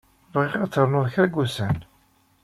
Bɣiɣ ad ternud kra n wussan.